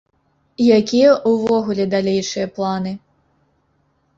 Якія ўвогуле далейшыя планы?